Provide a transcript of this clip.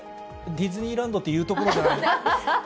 ディズニーランドって言うところじゃないの？